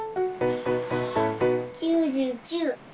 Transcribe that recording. ９９。